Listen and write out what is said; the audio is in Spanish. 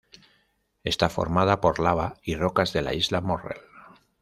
Está formada por lava y rocas de la isla Morrell.